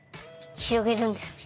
広げるんですね。